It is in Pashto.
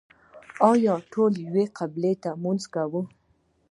آیا ټول یوې قبلې ته لمونځ کوي؟